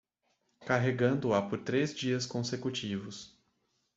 Carregando-a por três dias consecutivos